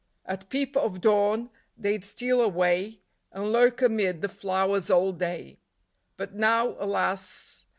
At peep of dawn they 'd steal away, And lurk amid the flowers all day : But now, alas